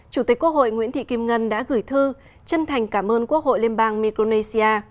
chủ tịch quốc hội nguyễn thị kim ngân đã gửi thư chân thành cảm ơn quốc hội liên bang micronesia